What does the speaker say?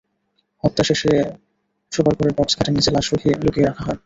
হত্যা শেষে শোবার ঘরের বক্স খাটের নিচে লাশ লুকিয়ে রাখা হয়।